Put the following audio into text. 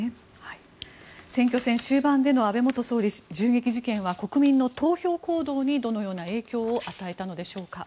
選挙戦終盤での安倍元総理銃撃事件は国民の投票行動にどのような影響を与えたのでしょうか。